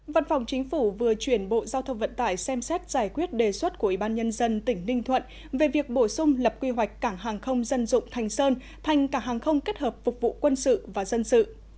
văn phòng chính phủ vừa chuyển bộ giao thông vận tải xem xét giải quyết đề xuất của ủy ban nhân dân tỉnh ninh thuận về việc bổ sung lập quy hoạch cảng hàng không dân dụng thành sơn thành cảng hàng không kết hợp phục vụ quân sự và dân sự